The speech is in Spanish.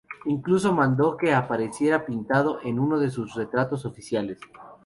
Incluso mandó que apareciera pintado en uno de sus retratos oficiales.